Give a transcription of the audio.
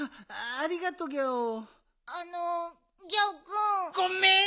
あのギャオくん。ごめん！